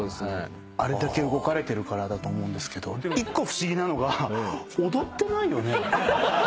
あれだけ動かれてるからだと思うんですけど一個不思議なのが踊ってないよね？